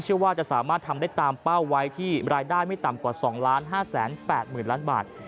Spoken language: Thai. เชื่อว่าจะสามารถทำได้ตามเป้าไว้ที่รายได้ไม่ต่ำกว่า๒๕๘๐๐๐ล้านบาท